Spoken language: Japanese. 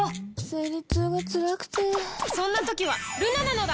生理痛がつらくてそんな時はルナなのだ！